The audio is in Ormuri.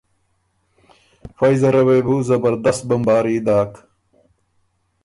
فئ زره وې بو زبردست بمباري داک